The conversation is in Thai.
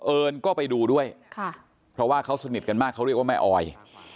เอิญก็ไปดูด้วยค่ะเพราะว่าเขาสนิทกันมากเขาเรียกว่าแม่ออย